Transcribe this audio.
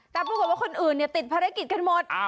แต่ปูกลบว่าคนอื่นเนี่ยติดภารกิจกันหมด